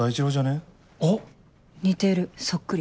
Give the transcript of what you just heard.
似てるそっくり。